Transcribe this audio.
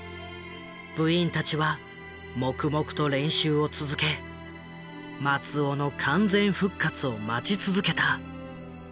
部員たちは黙々と練習を続け松尾の完全復活を待ち続けた。